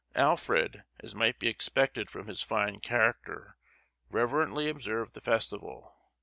Alfred, as might be expected from his fine character, reverently observed the festival.